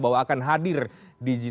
bahwa akan hadir di g dua puluh